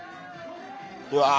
うわ。